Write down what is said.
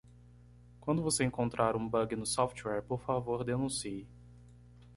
Quando você encontrar um bug no software?, por favor denuncie.